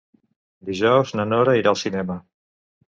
Dijous na Nora irà al cinema.